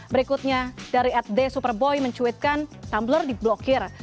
berikutnya dari at d superboy mencuitkan tumblr di blokir